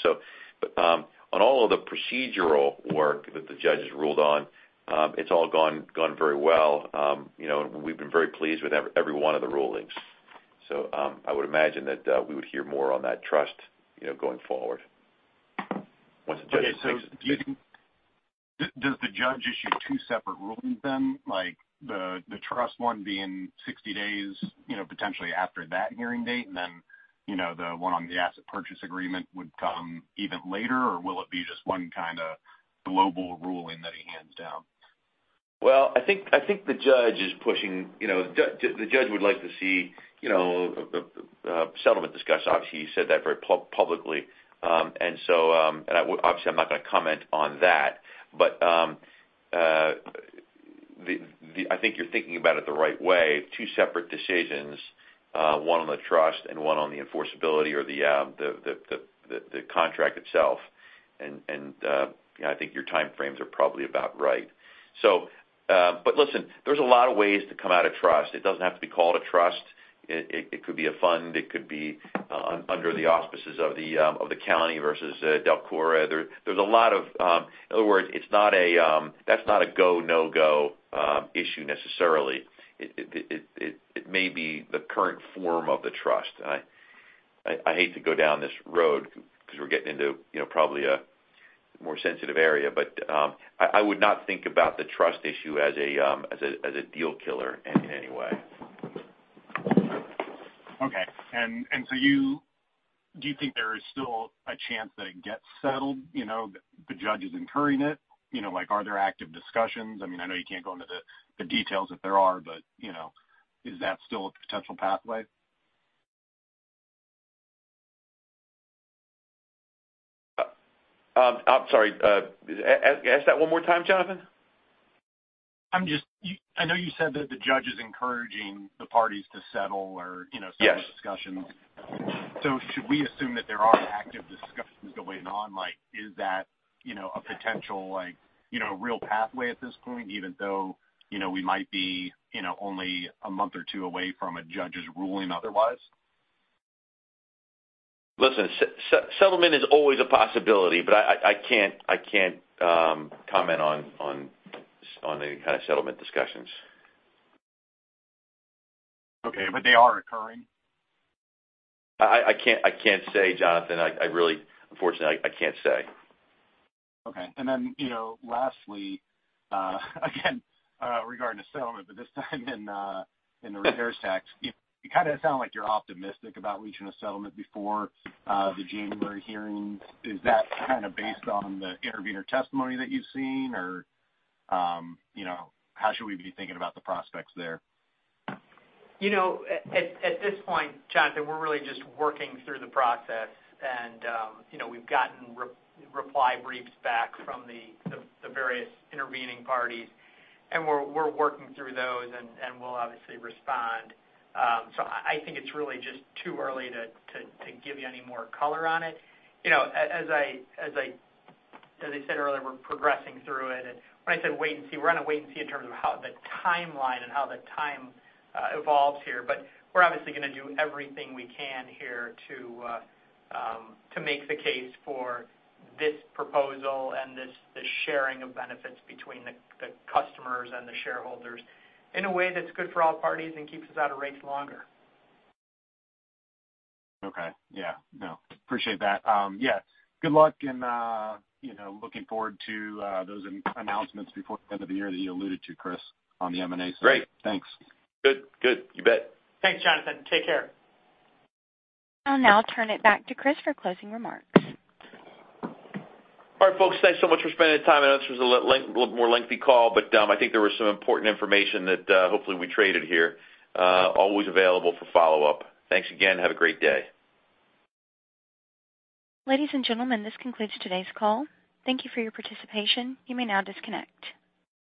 On all of the procedural work that the judge has ruled on, it's all gone very well. We've been very pleased with every one of the rulings. I would imagine that we would hear more on that trust going forward once the judge makes a decision. Does the judge issue two separate rulings then? Like the trust one being 60 days, potentially after that hearing date, and then the one on the asset purchase agreement would come even later? Will it be just one kind of global ruling that he hands down? Well, I think the judge would like to see a settlement discussion. He said that very publicly. I'm not going to comment on that. I think you're thinking about it the right way. Two separate decisions, one on the trust and one on the enforceability or the contract itself. I think your time frames are probably about right. Listen, there's a lot of ways to come out a trust. It doesn't have to be called a trust. It could be a fund. It could be under the auspices of the county versus DELCORA. In other words, that's not a go, no-go issue necessarily. It may be the current form of the trust. I hate to go down this road because we're getting into probably a more sensitive area, but I would not think about the trust issue as a deal killer in any way. Okay. Do you think there is still a chance that it gets settled? The judge is encouraging it, like are there active discussions? I know you can't go into the details if there are, but is that still a potential pathway? I'm sorry. Ask that one more time, Jonathan? I know you said that the judge is encouraging the parties to settle. Yes Settlement discussions. Should we assume that there are active discussions going on? Is that a potential real pathway at this point, even though we might be only a month or two away from a judge's ruling otherwise? Listen, settlement is always a possibility, but I can't comment on any kind of settlement discussions. Okay. They are occurring? I can't say, Jonathan. Unfortunately, I can't say. Okay. Lastly, again, regarding a settlement, but this time in the repairs tax. You kind of sound like you're optimistic about reaching a settlement before the January hearings. Is that kind of based on the intervener testimony that you've seen? How should we be thinking about the prospects there? At this point, Jonathan, we're really just working through the process and we've gotten reply briefs back from the various intervening parties, and we're working through those and we'll obviously respond. I think it's really just too early to give you any more color on it. As I said earlier, we're progressing through it. When I said wait and see, we're going to wait and see in terms of how the timeline and how the time evolves here. We're obviously going to do everything we can here to make the case for this proposal and the sharing of benefits between the customers and the shareholders in a way that's good for all parties and keeps us out of rates longer. Okay. Yeah. No, appreciate that. Yeah. Good luck and looking forward to those announcements before the end of the year that you alluded to, Chris, on the M&A side. Great. Thanks. Good. You bet. Thanks, Jonathan. Take care. I'll now turn it back to Chris for closing remarks. All right, folks. Thanks so much for spending the time with us. It was a little more lengthy call, but I think there was some important information that hopefully we traded here. Always available for follow-up. Thanks again. Have a great day. Ladies and gentlemen, this concludes today's call. Thank you for your participation. You may now disconnect.